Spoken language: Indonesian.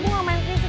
gue gak main fisik